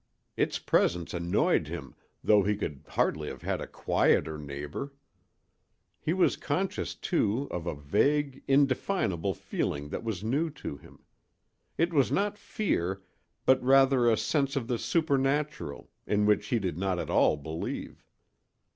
Its presence annoyed him, though he could hardly have had a quieter neighbor. He was conscious, too, of a vague, indefinable feeling that was new to him. It was not fear, but rather a sense of the supernatural—in which he did not at all believe.